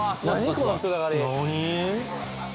この人だかり何？